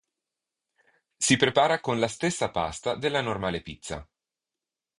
Si prepara con la stessa pasta della normale pizza.